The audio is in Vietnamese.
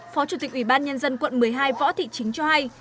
phó chủ tịch ủy ban nhân dân quận một mươi hai võ thị chính cho hay